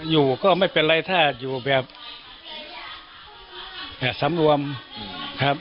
อยู่ก็ไม่เป็นไรถ้าอยู่แบบสำรวมครับ